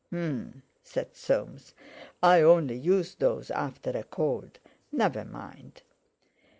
"H'm!" said Soames; "I only use those after a cold. Never mind!"